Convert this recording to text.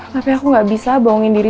tapi aku gak bisa bau diri sendiri